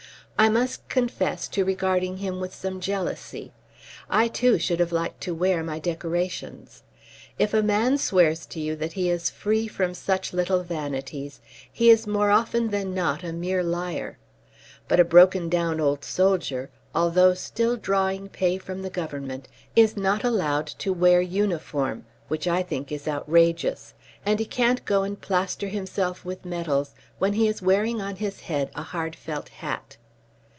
I must confess to regarding him with some jealousy. I too should have liked to wear my decorations. If a man swears to you that he is free from such little vanities, he is more often than not a mere liar. But a broken down old soldier, although still drawing pay from the Government, is not allowed to wear uniform (which I think is outrageous), and he can't go and plaster himself with medals when he is wearing on his head a hard felt hat.